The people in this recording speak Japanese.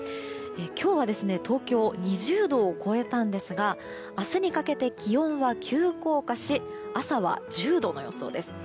今日は、東京２０度を超えたんですが明日にかけて気温は急降下し朝は１０度の予想です。